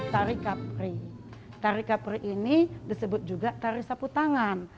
tari kapri tari kapri ini disebut juga tari sapu tangan